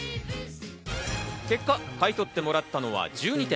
結果、買い取ってもらったのは１２点。